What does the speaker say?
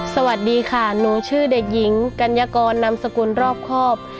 สวัสดีค่ะหนูชื่อเด็กหญิงกัญญากรนามสกุลรอบครอบ